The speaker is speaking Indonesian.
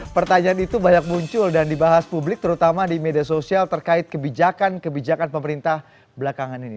pertanyaan itu banyak muncul dan dibahas publik terutama di media sosial terkait kebijakan kebijakan pemerintah belakangan ini